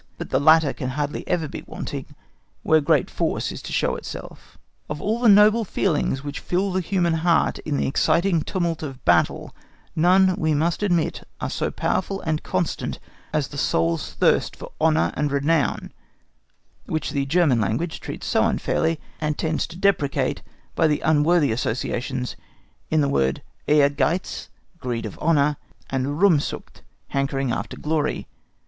But the latter can hardly ever be wanting where great force is to show itself. Of all the noble feelings which fill the human heart in the exciting tumult of battle, none, we must admit, are so powerful and constant as the soul's thirst for honour and renown, which the German language treats so unfairly and tends to depreciate by the unworthy associations in the words Ehrgeiz (greed of honour) and Ruhmsucht (hankering after glory).